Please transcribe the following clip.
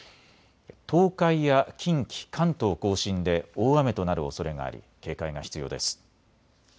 東海や近畿、関東甲信で大雨となるおそれがあり警戒が必要です。